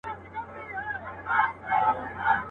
خپل گرېوان او خپل وجدان ته ملامت سو.